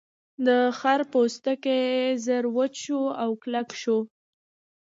د خرۀ پوستکی ژر وچ شو او کلک شو.